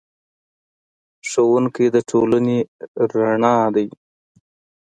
ښوونکی د ټولنې رڼا دی.